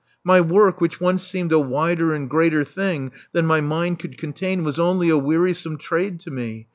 My work, which once seemed a wider and greater thing than my mind could contain, was only a wearisome trade to me.